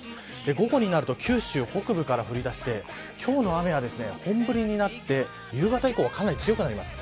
午後になると九州北部から降りだして、今日の雨は本降りになって夕方以降はかなり強くなります。